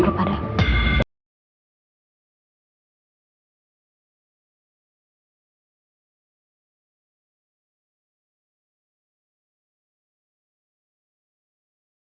puas puasin deh lu